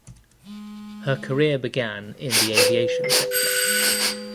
Her career began in the aviation sector.